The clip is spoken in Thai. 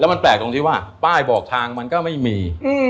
มันแปลกตรงที่ว่าป้ายบอกทางมันก็ไม่มี